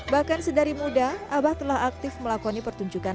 bahkan sedari muda abah telah aktif melakukan pekerjaan di desa ini